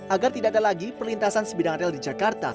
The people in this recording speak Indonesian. agar tidak ada lagi perlintasan sebidang rel di jakarta